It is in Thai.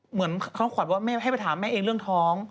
เหมือนเขาขวัญว่าแม่ให้ไปถามแม่เองเรื่องท้อง